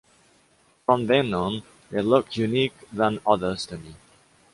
From then on, they look unique than others to me.